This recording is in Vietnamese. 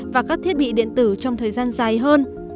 và các thiết bị điện tử trong thời gian dài hơn